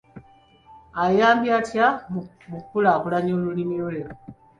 Ayambye atya mu kukulaakulanya olulimi lwe.